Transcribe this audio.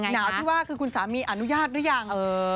หนาวที่ว่าคือคุณสามีอนุญาตหรือยัง